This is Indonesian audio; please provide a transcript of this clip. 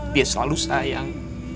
dia selalu sayang